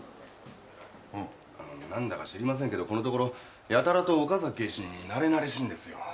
何だか知りませんけどここのところやたらと岡崎警視になれなれしいんですよ。